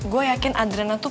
gue yakin adrena tuh